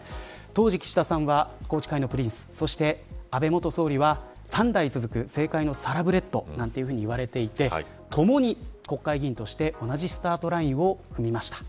当時岸田さんは宏池会のプリンスそして、安倍元総理は３代続く政界のサラブレッドなどと言われていて共に国会議員として同じスタートラインを踏みました。